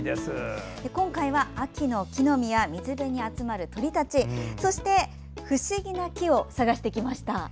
今回は秋の木の実や水辺に集まる鳥たちそして、不思議な木を探していきました。